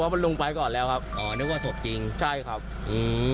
มันลงไปก่อนแล้วครับอ๋อนึกว่าศพจริงใช่ครับอืม